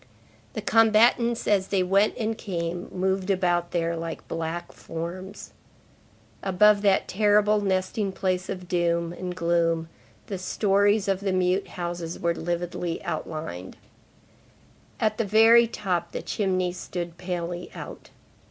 The combatants, as they went and came, moved about there like black forms. Above that terrible nesting place of gloom the stories of the mute houses were lividly outlined; at the very top, the chimneys stood palely out.